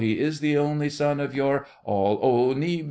He is the only son of your—— ALL. O ni!